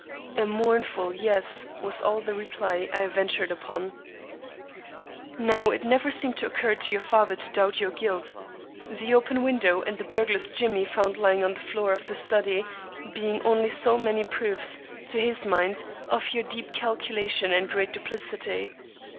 A mournful "Yes" was all the reply I ventured upon. "Now it never seemed to occur to your father to doubt your guilt. The open window and the burglar's jimmy found lying on the floor of the study, being only so many proofs, to his mind, of your deep calculation and great duplicity.